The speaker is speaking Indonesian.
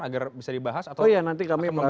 agar bisa dibahas atau akan membiarkan saja